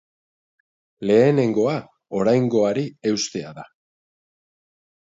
Lehenengoa, oraingoari eustea da.